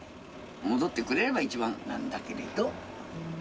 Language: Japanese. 戻ってくれれば一番なんだけれども。